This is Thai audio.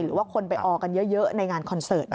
หรือว่าคนไปออกันเยอะในงานคอนเสิร์ต